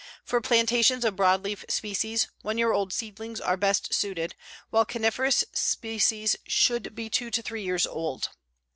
For plantations of broadleaf species, one year old seedlings are best suited, while coniferous species should be two to three years old.